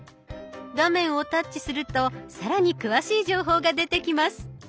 画面をタッチすると更に詳しい情報が出てきます。